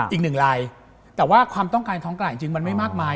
อีกหนึ่งลายแต่ว่าความต้องการท้องกลางจริงมันไม่มากมาย